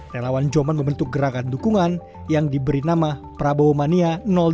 relawan joman membentuk gerakan dukungan yang diberi nama prabowo mania dua